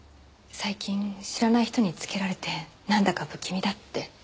最近知らない人につけられてなんだか不気味だって。